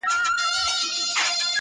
بې کفنه ښه دئ، بې وطنه نه.